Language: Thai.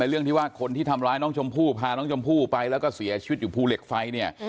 เรื่องที่ว่าคนที่ทำร้ายน้องชมพู่พาน้องชมพู่ไปแล้วก็เสียชีวิตอยู่ภูเหล็กไฟเนี่ย